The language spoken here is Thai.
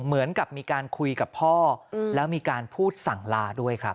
เหมือนกับมีการคุยกับพ่อแล้วมีการพูดสั่งลาด้วยครับ